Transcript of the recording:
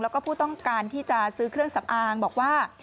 แล้วก็ผู้ต้องการที่จะซื้อเครื่องสำอางบอกว่า